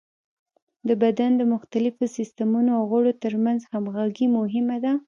د بدن د مختلفو سیستمونو او غړو تر منځ همغږي مهمه ده.